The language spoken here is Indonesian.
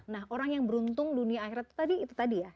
nah orang yang beruntung dunia akhirat itu tadi ya